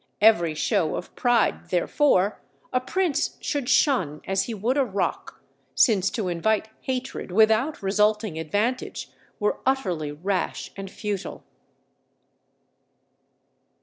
Every show of pride, therefore, a prince should shun as he would a rock, since to invite hatred without resulting advantage were utterly rash and futile.